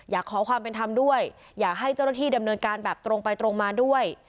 อยากขอความเป็นธรรมด้วยอยากให้เจ้าหน้าที่ดำเนินการแบบตรงไปตรงมาด้วย